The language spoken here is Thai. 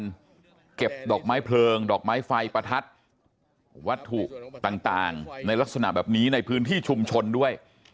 เก็บดอกไม้เพลิงดอกไม้ไฟประทัดวัตถุต่างในลักษณะแบบนี้ในพื้นที่ชุมชนด้วย